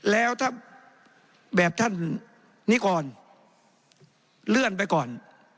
แล้วถ้าแบบท่านนิกรเลื่อนไปก่อน